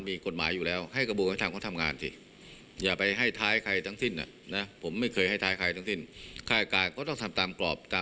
ไม่อาจปฏิเสธได้ว่า